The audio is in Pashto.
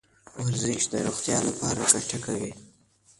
ورزش د روغتیا لپاره ګټه کوي .